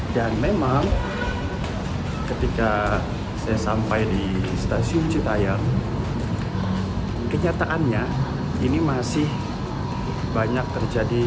dan memang ketika saya sampai di stasiun cintayan kenyataannya ini masih banyak terjadi